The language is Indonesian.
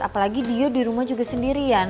apalagi dia di rumah juga sendirian